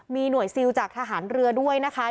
มีหน่วยซิลจากทหารเรือด้วยนะคะ